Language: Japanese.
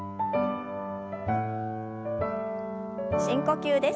深呼吸です。